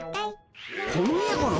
この家かな？